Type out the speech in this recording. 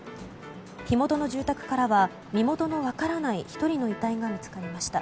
火元の住宅からは身元の分からない１人の遺体が見つかりました。